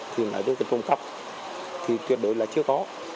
thì nội dung phòng cấp thì tuyệt đối là chưa có